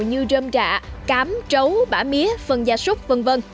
như rơm rạ cám trấu bã mía phần gia súc v v